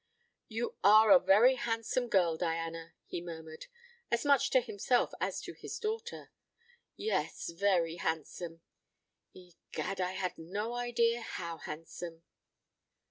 "You are a very handsome girl, Diana," he murmured, as much to himself as to his daughter; "yes, very handsome. Egad, I had no idea how handsome!"